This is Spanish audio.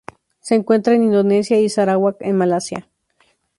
Se encuentra en Indonesia y Sarawak en Malasia.